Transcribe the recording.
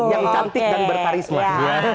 yang cantik dan berkarisma